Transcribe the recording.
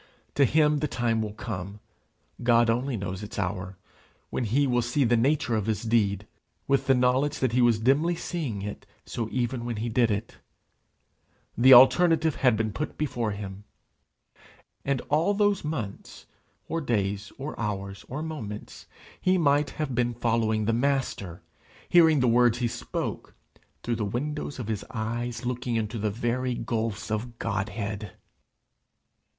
To him the time will come, God only knows its hour, when he will see the nature of his deed, with the knowledge that he was dimly seeing it so even when he did it: the alternative had been put before him. And all those months, or days, or hours, or moments, he might have been following the Master, hearing the words he spoke, through the windows of his eyes looking into the very gulfs of Godhead!